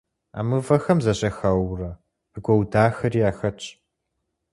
А мывэхэм зэжьэхэуэурэ къыгуэудахэри яхэтщ.